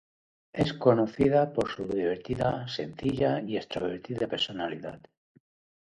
Es conocida por su divertida, sencilla y extrovertida personalidad.